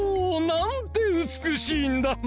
おおなんてうつくしいんだ！